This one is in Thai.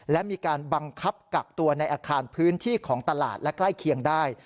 และมีการบังคับกักตัวในอาคารพื้นที่ของตลาดและใกล้เคียงได้